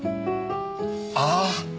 ああ！